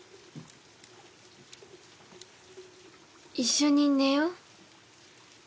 一緒に寝よう。